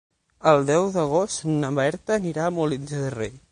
El deu d'agost na Berta anirà a Molins de Rei.